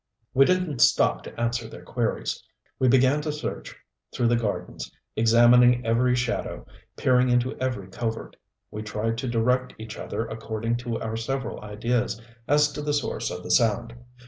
We didn't stop to answer their queries. We began to search through the gardens, examining every shadow, peering into every covert. We tried to direct each other according to our several ideas as to the source of the sound.